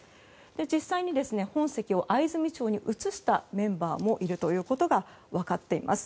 実際に本籍を藍住町に移したメンバーもいるということが分かっています。